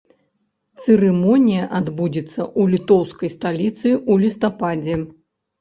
Цырымонія адбудзецца ў літоўскай сталіцы ў лістападзе.